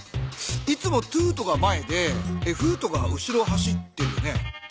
いつもトゥートが前でフートが後ろを走ってるよね。